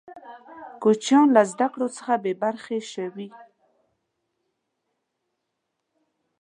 کوچنیان له زده کړي څخه بې برخې شوې.